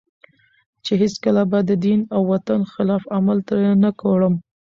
چي هیڅکله به د دین او وطن خلاف عمل تر نه کړم